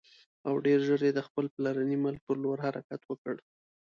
او ډېر ژر یې د خپل پلرني ملک پر لور حرکت وکړ.